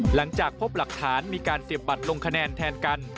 หลังจากพบหลักฐานมีการเก็บบัตรลงคะแนนแทนกัน